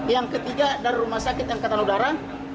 yang ketiga dari rumah sakit angkatan udara